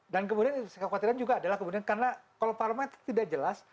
dan kemudian saya khawatirkan juga adalah kemudian karena kalau parlamen itu tidak jelas